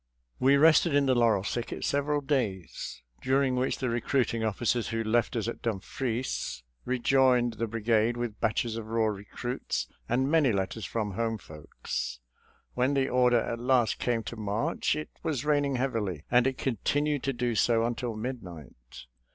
We rested in the laurel thicket several days, 40 SOLDIER'S LETTERS TO CHARMING NELLIE during which the recruiting officers who left us at Dumfries rejoined the brigade with batches of raw recruits and many letters from home folks. When the order at last came to march it was raining heavily and it continued to do so until midnight.